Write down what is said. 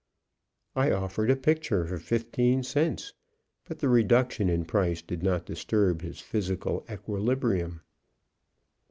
I offered a picture for fifteen cents, but the reduction in price did not disturb his physical equilibrium.